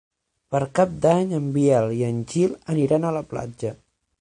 Per Cap d'Any en Biel i en Gil aniran a la platja.